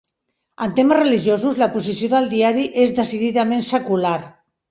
En temes religiosos, la posició del diari és decididament secular.